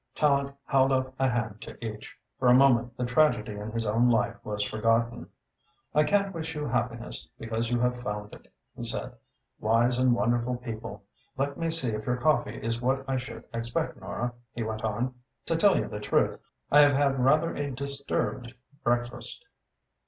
Tallente held out a hand to each. For a moment the tragedy in his own life was forgotten. "I can't wish you happiness, because you have found it," he said. "Wise and wonderful people! Let me see if your coffee is what I should expect, Nora," he went on. "To tell you the truth, I have had rather a disturbed breakfast."